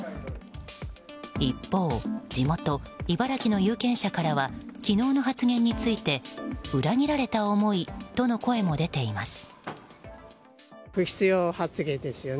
一方、地元・茨城の有権者からは昨日の発言について裏切られた思いとの声も出ています。